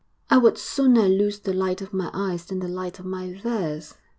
I would sooner lose the light of my eyes than the light of my verse!